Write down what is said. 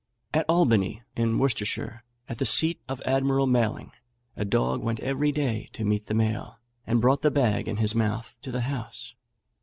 At Albany in Worcestershire, at the seat of Admiral Maling, a dog went every day to meet the mail, and brought the bag in his mouth to the house.